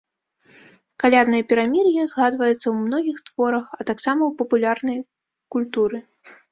Каляднае перамір'е згадваецца ў многіх творах, а таксама ў папулярнай культуры.